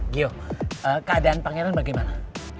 gio keadaan pangeran bagaimana